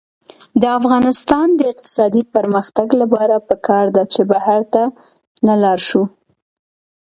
د افغانستان د اقتصادي پرمختګ لپاره پکار ده چې بهر ته نلاړ شو.